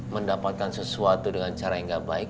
mendapatkan sesuatu dengan cara yang gak baik